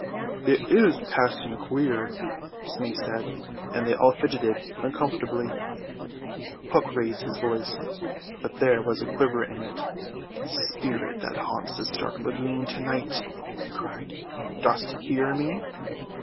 "It is passing queer," Smee said, and they all fidgeted uncomfortably. Hook raised his voice, but there was a quiver in it. "Spirit that haunts this dark lagoon to night," he cried, "dost hear me?"